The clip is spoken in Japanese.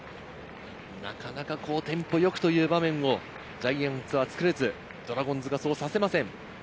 なかなかテンポよくという場面もジャイアンツは作れず、ドラゴンズがそうさせません。